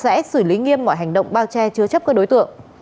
pháp luật sẽ xử lý nghiêm mọi hành động bao che chứa chấp các đối tượng